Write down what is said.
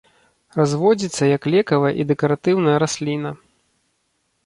Разводзіцца як лекавая і дэкаратыўная расліна.